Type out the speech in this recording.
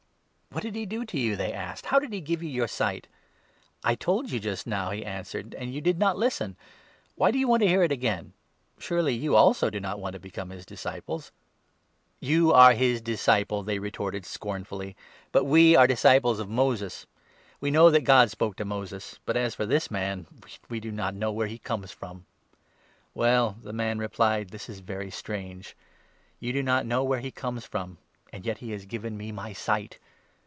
"" What did he do to you ?" they asked. " How did he give 26 you your sight ?"" I told you just now," he answered, "and you did not listen. 27 Why do you want to hear it again ? Surely you also do not want to become his disciples ?" "You are his disciple," they retorted scornfully; "but we 28 are disciples of Moses. We know that God spoke to Moses ; 29 but, as for this man, we do not know where he comes from." " Well," the man replied, " this is very strange ; you do not 30 know where he comes from, and yet he has given me my sight